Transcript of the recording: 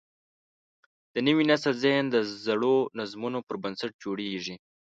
د نوي نسل ذهن د زړو نظمونو پر بنسټ جوړېږي.